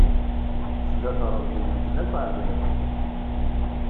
Sdat Ṛebbi, medden akk ɛedlen.